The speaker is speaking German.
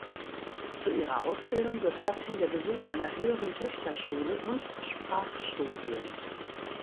Zu ihrer Ausbildung gehörten der Besuch einer höheren Töchterschule und Sprachstudien.